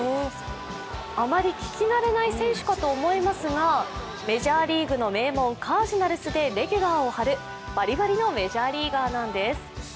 あまり聞き慣れない選手かと思いますがメジャーリーグの名門カージナルスでレギュラーを張るバリバリのメジャーリーガーなんです。